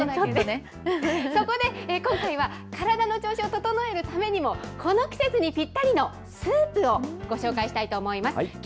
そこで、今回は体の調子を整えるためにも、この季節にぴったりのスープをご紹介したいと思います。